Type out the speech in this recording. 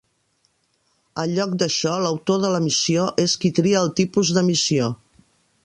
En lloc d'això, l'autor de la missió és qui tria el tipus de missió.